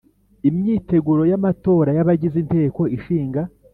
imyiteguro y amatora y Abagize Inteko Ishinga